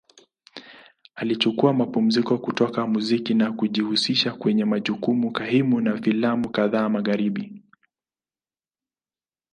Alichukua mapumziko kutoka muziki na kujihusisha kwenye majukumu kaimu na filamu kadhaa Magharibi.